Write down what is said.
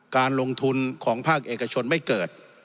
การลงทุนของภาคเอกชนไม่เกิด